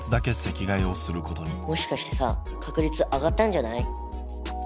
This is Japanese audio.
もしかしてさ確率上がったんじゃない？